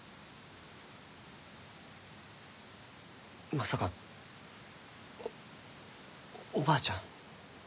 まさかおおばあちゃん？